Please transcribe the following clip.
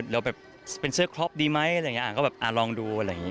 แล้วแบบเป็นเสื้อครอปดีไหมอะไรแบบนี้